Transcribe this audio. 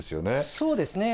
そうですね。